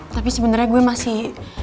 tapi sebenernya gue masih